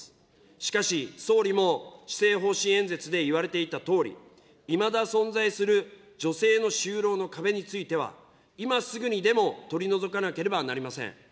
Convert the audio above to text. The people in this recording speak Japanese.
しかし、総理も施政方針演説で言われていたとおり、いまだ存在する女性の就労の壁については、今すぐにでも取り除かなければなりません。